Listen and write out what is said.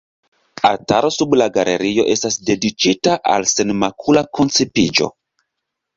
Altaro sub la galerio estas dediĉita al Senmakula Koncipiĝo.